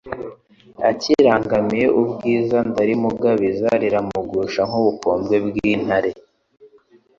akirangamiye ubwiza ndarimugabiza riramugusha nk'ubukombe bw' intare